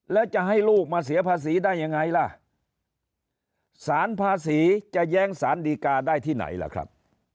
แล้วจะให้ลูกมาเสียภาษีได้ยังไงล่ะสารภาษีจะแย้งสารดีกาได้ที่ไหนล่ะครับ